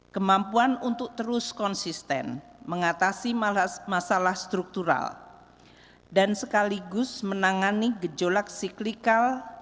kemampuan untuk terus konsisten mengatasi masalah struktural dan sekaligus menangani gejolak siklikal